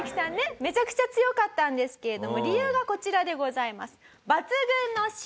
めちゃくちゃ強かったんですけれども理由がこちらでございます。